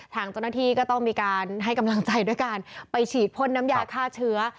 ทางเจ้าหน้าที่ก็ต้องมีการให้กำลังใจด้วยการไปฉีดพ่นน้ำยาฆ่าเชื้อ